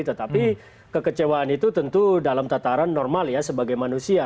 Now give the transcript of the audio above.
tetapi kekecewaan itu tentu dalam tataran normal ya sebagai manusia